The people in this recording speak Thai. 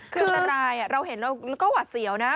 คืออะไรอ่ะเราเห็นแล้วก็หวัดเสียวนะ